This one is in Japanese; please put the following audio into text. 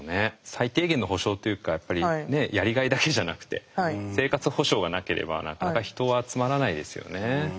最低限の保障というかやっぱりねえやりがいだけじゃなくて生活保障がなければなかなか人は集まらないですよね。